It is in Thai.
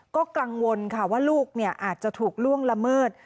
ก็กังวลค่ะว่าลูกอาจจะถูกล่วงละเมิด